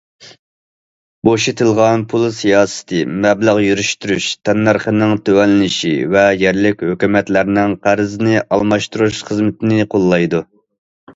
بوشىتىلغان پۇل سىياسىتى مەبلەغ يۈرۈشتۈرۈش تەننەرخىنىڭ تۆۋەنلىشى ۋە يەرلىك ھۆكۈمەتلەرنىڭ قەرزىنى ئالماشتۇرۇش خىزمىتىنى قوللايدۇ.